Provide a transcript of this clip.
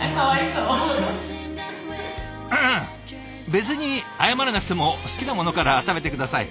別に謝らなくても好きなものから食べて下さい。